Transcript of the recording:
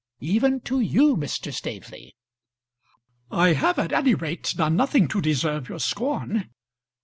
"Even to you, Mr. Staveley." "I have at any rate done nothing to deserve your scorn."